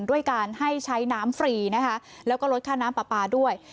ด้วยการให้ใช้น้ำฟรีนะคะแล้วก็ลดค่าน้ำปลาปลาด้วย